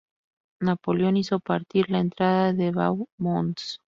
Napoleón hizo partir la entrada de Beaux-Monts.